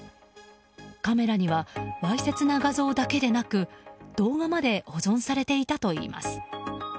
カメラにはわいせつな画像だけでなく動画まで保存されていたといいます。